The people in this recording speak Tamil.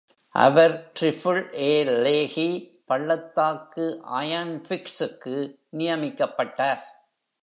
அவர் டிரிபிள்-ஏ லேஹி பள்ளத்தாக்கு அயர்ன் பிக்ஸுக்கு நியமிக்கப்பட்டார்.